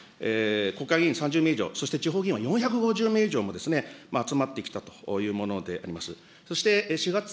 国会議員３０名以上、地方議員は４０名以上が集まってきたというものであります。